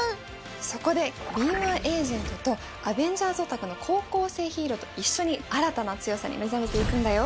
そこで敏腕エージェントとアベンジャーズオタクの高校生ヒーローと一緒に新たな強さに目覚めていくんだよ